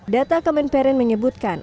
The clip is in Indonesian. data kemenperin menyebutkan